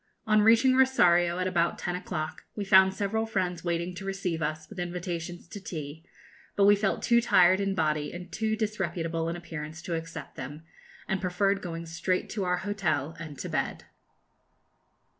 On reaching Rosario at about ten o'clock, we found several friends waiting to receive us, with invitations to tea; but we felt too tired in body and too disreputable in appearance to accept them, and preferred going straight to our hotel and to bed.